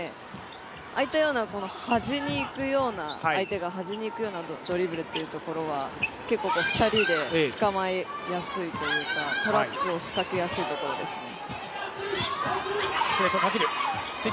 ああいったような相手が端に行くようなドリブルっていうところは結構２人でつかまえやすいというかトラップを仕掛けやすいところですね。